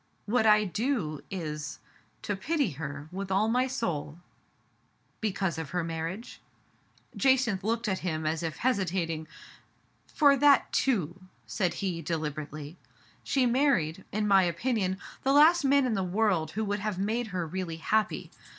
What I do is — to pity her with all my soul." " Because of her marriage ?" Digitized by Google M^s, IWNgMrPOrD, 179 Jacynth looked at him as if hesitating. "For that too/* said he deliberately. "She married, in my opinion, the last man in the world who would have made her really happy.